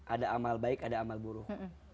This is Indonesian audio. ada amal baik ada amal buruh